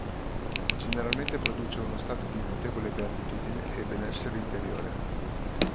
Generalmente produce uno stato di notevole beatitudine e benessere interiore.